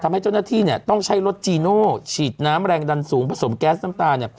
ทำให้เจ้าหน้าที่ต้องใช้รถจีโน่ฉีดน้ำแรงดันสูงผสมแก๊สน้ำตาเนี่ย